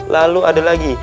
lalu ada lagi